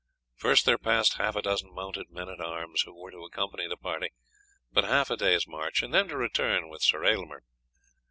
First there passed half a dozen mounted men at arms, who were to accompany the party but half a day's march and then to return with Sir Aylmer.